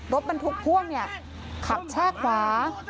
รถปันทุกพ่วงเนี่ยขับแช่ขวา